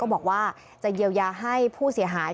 บอกว่าจะเยียวยาให้ผู้เสียหาย